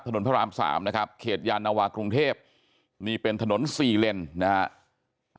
พระรามสามนะครับเขตยานวากรุงเทพนี่เป็นถนนสี่เลนนะครับ